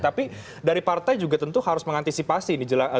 tapi dari partai juga tentu harus mengantisipasi